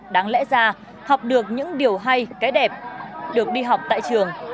đáng lẽ ra học được những điều hay cái đẹp được đi học tại trường